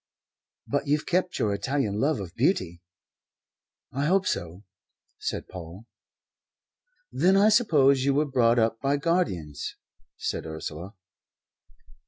"But you've kept your Italian love of beauty." "I hope so," said Paul. "Then I suppose you were brought up by guardians," said Ursula.